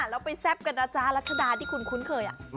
แล้วไปแซ่บกันนะจ๊ะรัชดาที่คุณคุ้นเคย